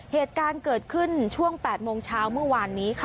เหตุการณ์เกิดขึ้นช่วง๘โมงเช้าเมื่อวานนี้ค่ะ